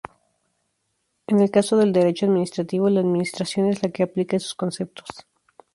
En el caso del derecho administrativo, la Administración es la que aplica esos conceptos.